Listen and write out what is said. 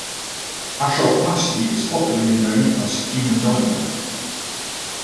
Ashok Masti is popularly known as Human Dynamo.